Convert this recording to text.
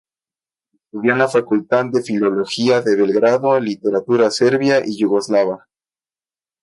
Estudió en la Facultad de Filología de Belgrado Literatura Serbia y Yugoslava.